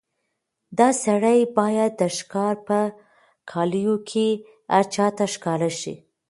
دا سړی باید د ښکار په کالیو کې هر چا ته ښکاره شي.